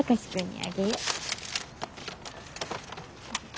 あ。